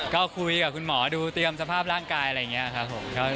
ก็คุยกับคุณหมอดูเตรียมสภาพร่างกายอะไรอย่างนี้ครับผม